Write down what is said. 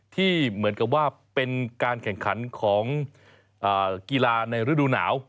ที่เหมือนกับว่าเป็นการแข่งขันของกีฬาในฤดูหนาว